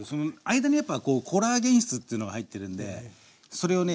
間にやっぱコラーゲン質っつうのが入ってるんでそれをね